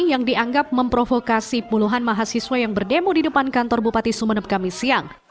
yang dianggap memprovokasi puluhan mahasiswa yang berdemo di depan kantor bupati sumeneb kami siang